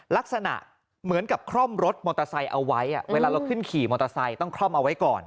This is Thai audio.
ลักษณะเหมือนกับคล่อมรถมอเตอร์ไซค์เอาไว้เวลาเราขึ้นขี่มอเตอร์ไซค์ต้องคล่อมเอาไว้ก่อน